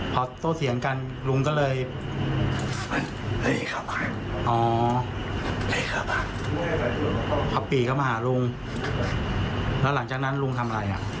พอโต้เถียงกันลุงก็เลยขับอ๋อพอปีเข้ามาหาลุงแล้วหลังจากนั้นลุงทำอะไรอ่ะ